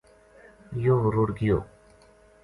یوہ رُڑ گیو